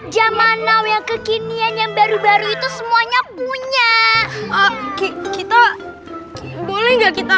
zaman now yang kekinian yang baru baru itu semuanya punya kita boleh nggak kita